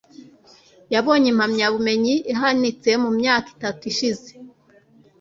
Yabonye impamyabumenyi ihanitse mu myaka itatu ishize.